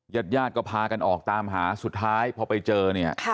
ญาติญาติก็พากันออกตามหาสุดท้ายพอไปเจอเนี่ย